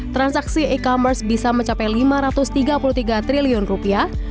transaksi e commerce bisa mencapai lima ratus tiga puluh tiga triliun rupiah